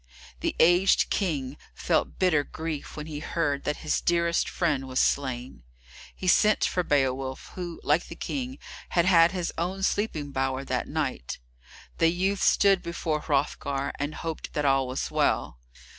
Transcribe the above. The aged King felt bitter grief when he heard that his dearest friend was slain. He sent for Beowulf, who, like the King, had had his own sleeping bower that night. The youth stood before Hrothgar and hoped that all was well.